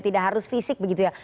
tidak harus fisik begitu ya